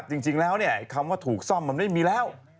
จริงแล้วคำว่าถูกซ่อมมันไม่มีแล้ว